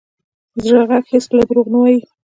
د زړه ږغ هېڅکله دروغ نه وایي.